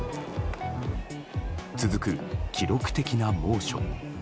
続く記録的な猛暑。